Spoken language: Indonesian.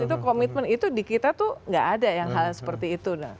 itu komitmen itu di kita tuh gak ada yang hal seperti itu